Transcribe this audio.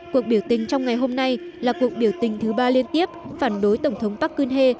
cuộc biểu tình trong ngày hôm nay là cuộc biểu tình thứ ba liên tiếp phản đối tổng thống park geun hye